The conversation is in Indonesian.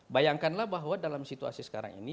bayangkanlah bahwa dalam situasi sekarang ini